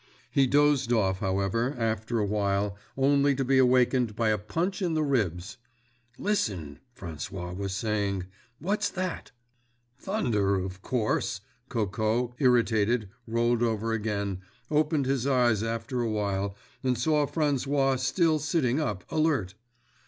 He dozed off, however, after a while, only to be awakened by a punch in the ribs. "Listen!" François was saying. "What's that?" "Thunder, of course!" Coco, irritated, rolled over again, opened his eyes after a while, and saw François still sitting up, alert.